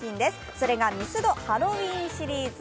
それがミスド・ハロウィーンシリーズ。